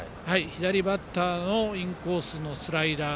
左バッターのインコースのスライダー。